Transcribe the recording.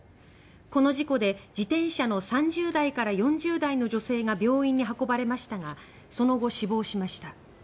この事故で、自転車の３０代から４０代の女性が病院に運ばれましたがその後、死亡しました。